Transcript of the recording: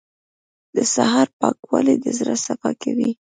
• د سهار پاکوالی د زړه صفا کوي.